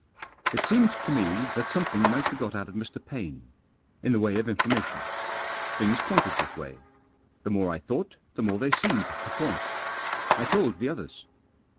It seemed to me that something might be got out of Mr. Paine. In the way of information. Things pointed that way. The more I thought, the more they seemed to point. I told the others.